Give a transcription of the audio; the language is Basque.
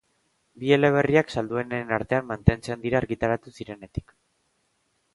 Bi eleberriak salduenen artean mantentzen dira argitaratu zirenetik.